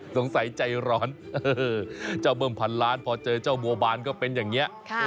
ใจร้อนเจ้าเบิ้มพันล้านพอเจอเจ้าบัวบานก็เป็นอย่างนี้